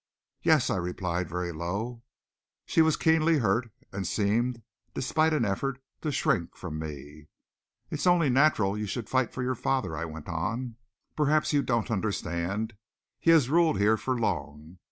"Yes," I replied very low. She was keenly hurt and seemed, despite an effort, to shrink from me. "It's only natural you should fight for your father," I went on. "Perhaps you don't understand. He has ruled here for long.